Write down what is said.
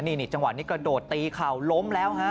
นี่จังหวะนี้กระโดดตีเข่าล้มแล้วฮะ